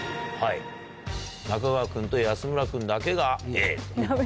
中川君と安村君だけがＡ。